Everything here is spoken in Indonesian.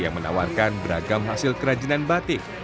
yang menawarkan beragam hasil kerajinan batik